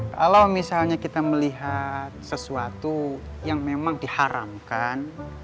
kalau misalnya kita melihat sesuatu yang memang diharamkan